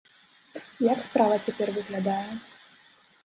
Як справа цяпер выглядае?